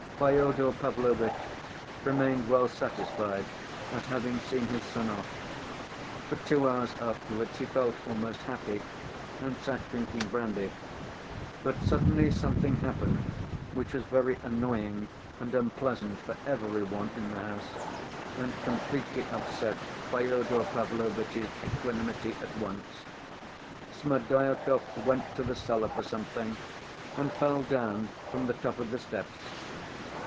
Fyodor Pavlovitch remained well satisfied at having seen his son off. For two hours afterwards he felt almost happy, and sat drinking brandy. But suddenly something happened which was very annoying and unpleasant for every one in the house, and completely upset Fyodor Pavlovitch's equanimity at once. Smerdyakov went to the cellar for something and fell down from the top of the steps.